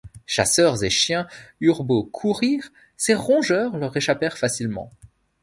Chasseurs et chien eurent beau courir, ces rongeurs leur échappèrent facilement.